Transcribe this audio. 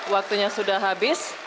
waktunya sudah habis